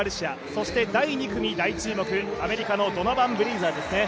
そして第２組大注目アメリカドノバン・ブレイザーですね。